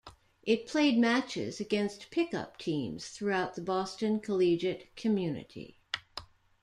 It played matches against pickup teams throughout the Boston collegiate community.